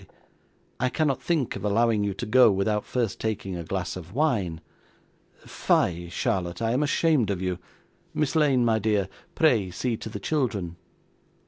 'I cannot think of allowing you to go, without first taking a glass of wine. Fie, Charlotte, I am ashamed of you! Miss Lane, my dear, pray see to the children.